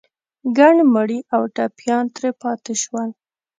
ګڼ مړي او ټپيان ترې پاتې شول.